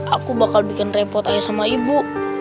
aku bakal bikin repot ayah sama ibu